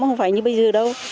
không phải như bây giờ đâu